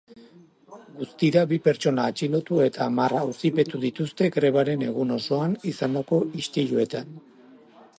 Guztira bi pertsona atxilotu eta hamar auzipetu dituzte grebaren egun osoan izandako istiluetan.